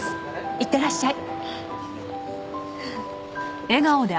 いってらっしゃい。